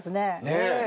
ねえ。